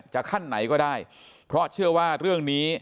ขั้นไหนก็ได้เพราะเชื่อว่าเรื่องนี้